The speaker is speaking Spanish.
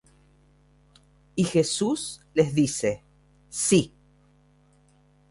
Y Jesús les dice: Sí: